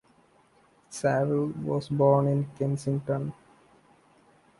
Savill was born in Kensington.